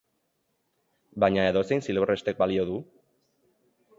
Baina edozein zilborrestek balio du?